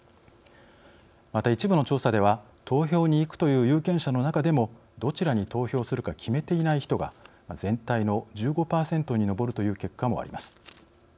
また、一部の調査では投票に行くという有権者の中でもどちらに投票するか決めていない人が全体の１５％に上るという結果もあります。